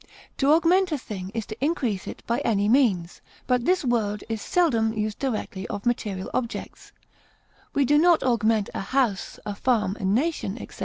To augment a thing is to increase it by any means, but this word is seldom used directly of material objects; we do not augment a house, a farm, a nation, etc.